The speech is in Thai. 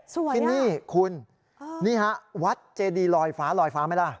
ส่วนที่นี่คุณนี่ฮะวัดเจดีลอยฟ้าลอยฟ้าไหมล่ะ